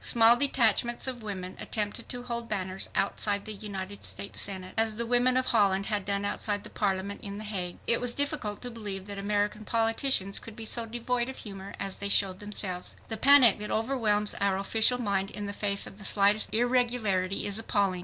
Small detachments of women attempted to hold banners outside the United States Senate, as the women of Holland had done outside the Parliament in the Hague. It was difficult to believe that American politicians could be so devoid of humor as they showed themselves. The panic that overwhelms our official mind in the face of the slightest irregularity is appalling!